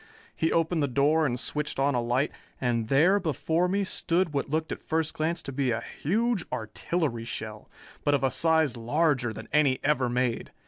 He opened the door and switched on a light, and there before me stood what looked at first glance to be a huge artillery shell, but of a size larger than any ever made.